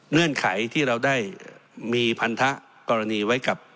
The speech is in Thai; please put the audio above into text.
เงื่อนไขที่เราได้มีพันธกรณีไว้กับ